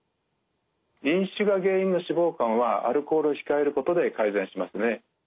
飲酒が原因の脂肪肝はアルコールを控えることで改善しますね。